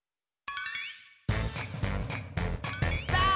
さあ！